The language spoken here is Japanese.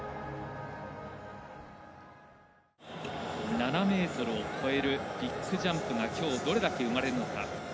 ７ｍを超えるビッグジャンプが今日、どれだけ生まれるのか。